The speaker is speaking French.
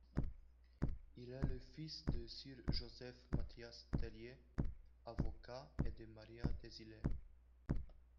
Il est le fils de Sir Joseph-Mathias Tellier, avocat, et de Maria Désilets.